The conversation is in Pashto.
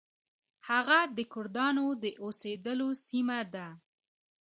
هغه د کردانو د اوسیدلو سیمه ده.